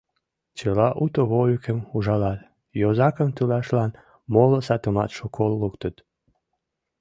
Чыла уто вольыкым ужалат, йозакым тӱлашлан моло сатумат шуко луктыт.